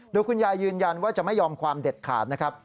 โดยคุณยายยืนยันว่าจะไม่ยอมความเด็ดขาดนะครับ